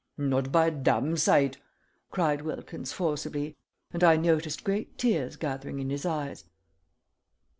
"Not by a damn sight!" cried Wilkins, forcibly, and I noticed great tears gathering in his eyes.